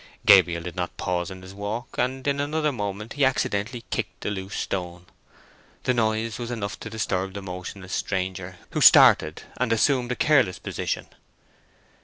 Gabriel did not pause in his walk, and in another moment he accidentally kicked a loose stone. The noise was enough to disturb the motionless stranger, who started and assumed a careless position.